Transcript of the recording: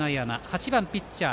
８番ピッチャー